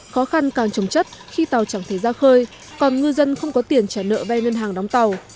khó khăn càng trồng chất khi tàu chẳng thể ra khơi còn ngư dân không có tiền trả nợ vay ngân hàng đóng tàu